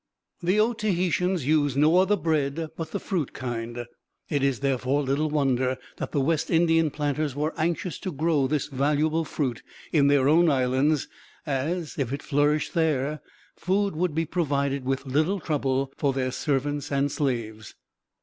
The Otaheitans use no other bread but the fruit kind. It is, therefore, little wonder that the West Indian planters were anxious to grow this valuable fruit in their own islands, as, if it flourished there, food would be provided with little trouble for their servants and slaves.